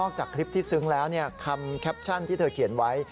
จากคลิปที่ซึ้งแล้วคำแคปชั่นที่เธอเขียนไว้